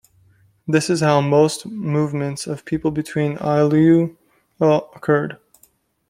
This is how most movements of people between ayllu occurred.